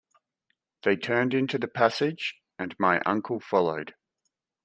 They turned into the passage, and my uncle followed.